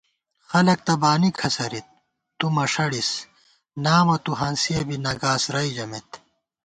خلَک تہ بانی کھسَرِت، تُو مݭَڑِس، نامہ تُو ہانسِیَہ بی نہ گاس رئی ژمېت